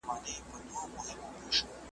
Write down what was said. ایا ستا تیزس د پوهنتون لخوا ومنل شو؟